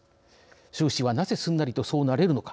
習氏はなぜすんなりとそうなれるのか。